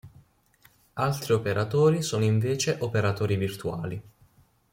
Altri operatori sono invece operatori virtuali.